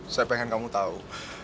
saya pengen kamu tahu